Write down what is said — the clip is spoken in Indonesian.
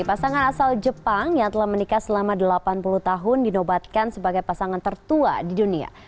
pasangan asal jepang yang telah menikah selama delapan puluh tahun dinobatkan sebagai pasangan tertua di dunia